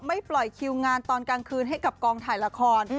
ปล่อยคิวงานตอนกลางคืนให้กับกองถ่ายละคร